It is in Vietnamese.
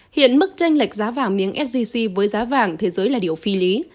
hiện mức tranh lệch giá vàng miếng sgc với giá vàng thế giới là điều phi lý